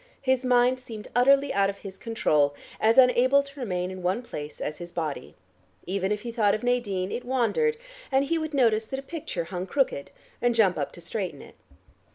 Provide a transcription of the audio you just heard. His mind seemed utterly out of his control, as unable to remain in one place as his body. Even if he thought of Nadine, it wandered, and he would notice that a picture hung crooked, and jump up to straighten it.